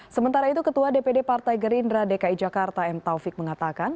sementara itu ketua dpd partai gerindra dki jakarta m taufik mengatakan